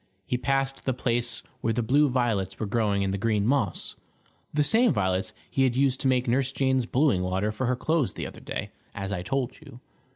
He passed the place where the blue violets were growing in the green moss the same violets he had used to make Nurse Jane's blueing water for her clothes the other day, as I told you.